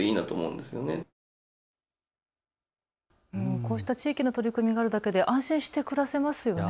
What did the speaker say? こうした地域の取り組みがあるだけで安心して暮らせますよね。